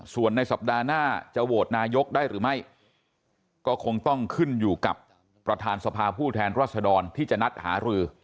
ส่วนในสัปดาห์หน้าจะโหวตนายกได้หรือไม่ก็คงต้องขึ้นอยู่กับประธานสภาผู้แทนรัศดรที่จะนัดหารือ